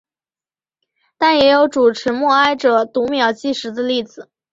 但也有主持默哀者读秒计时的例子。